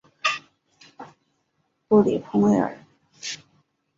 布里孔维尔。